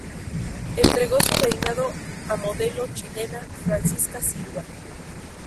Entregó su reinado a modelo chilena Francisca Silva.